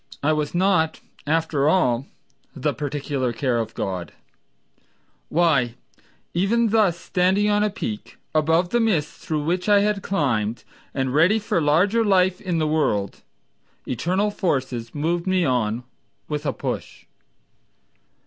I was not, after all, the particular care of God Why, even thus standing on a peak Above the mists through which I had climbed, And ready for larger life in the world, Eternal forces Moved me on with a push.